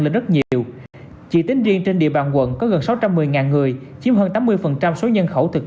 lên rất nhiều chỉ tính riêng trên địa bàn quận có gần sáu trăm một mươi người chiếm hơn tám mươi số nhân khẩu thực